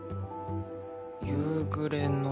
夕暮れの。